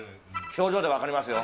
表情で分かりますよ。